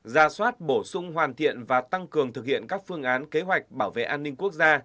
ra soát bổ sung hoàn thiện và tăng cường thực hiện các phương án kế hoạch bảo vệ an ninh quốc gia